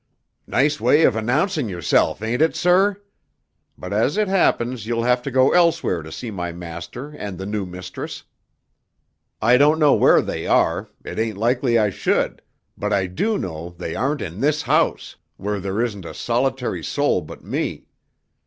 "Nice way of announcing yourself, ain't it, sir? But as it happens you'll have to go elsewhere to see my master and the new mistress. I don't know where they are it ain't likely I should but I do know they aren't in this house, where there isn't a solitary soul but me.